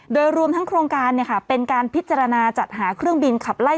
โดยรวมทั้งโครงการเป็นการพิจารณาจัดหาเครื่องบินขับไล่